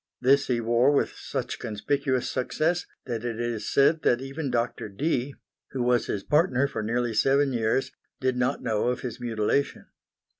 This he wore with such conspicuous success that it is said that even Doctor Dee, who was his partner for nearly seven years, did not know of his mutilation.